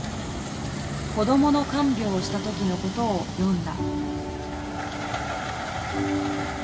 子どものかんびょうをした時のことをよんだ。